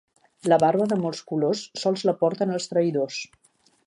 La barba de molts colors sols la porten els traïdors.